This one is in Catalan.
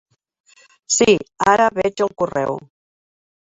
Sí, ara veig el correu.